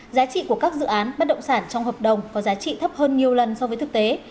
giá trị của các dự án bất động sản trong hợp đồng có giá trị thấp hơn nhiều lần so với thực tế